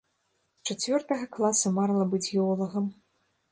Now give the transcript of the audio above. З чацвёртага класа марыла быць геолагам.